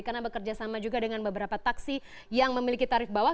karena bekerja sama juga dengan beberapa taksi yang memiliki tarif bawah